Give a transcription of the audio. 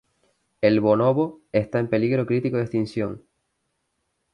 El bonobo está en peligro crítico de extinción.